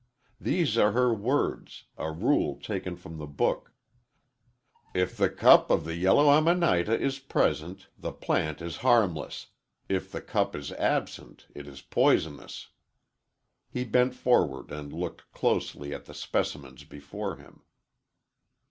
These are her words a rule taken from the book: "'If the cup of the Yellow Amanita is present, the plant is harmless. If the cup is absent, it is poisonous.'" He bent forward and looked closely at the specimens before him.